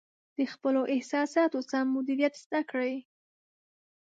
د خپلو احساساتو سم مدیریت زده کړئ.